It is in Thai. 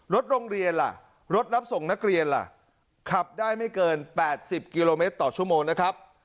โรงเรียนล่ะรถรับส่งนักเรียนล่ะขับได้ไม่เกิน๘๐กิโลเมตรต่อชั่วโมงนะครับ